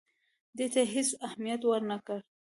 دې ته یې هېڅ اهمیت ورنه کړ.